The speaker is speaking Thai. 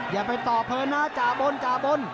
อย่าไปต่อเพลินนะจ่าบนจ่าบน